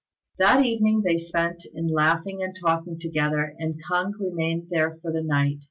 That evening they spent in laughing and talking together, and K'ung remained there for the night.